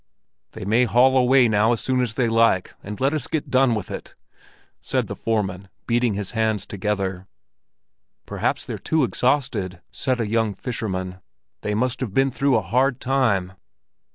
"They may haul away now as soon as they like, and let us get done with it," said the foreman, beating his hands together. "Perhaps they're too exhausted," said a young fisherman. "They must have been through a hard time!"